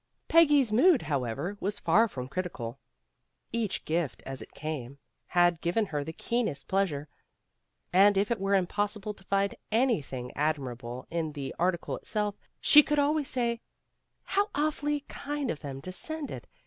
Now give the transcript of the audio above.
Peggy 's mood, however, was far from critical. Each gift as it came had given her the keenest pleasure, and if it were impossible to find any thing admirable in the article itself, she could always say, "How awfully kind of them to send it.